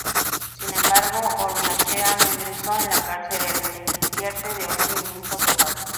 Sin embargo, Hormaechea no ingresó en la cárcel, al beneficiarse de un indulto total.